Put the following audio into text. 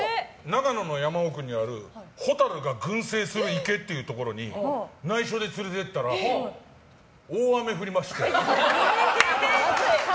長野の山奥にあるホタルが群生する池というところに内緒で連れてったら大雨降りまして。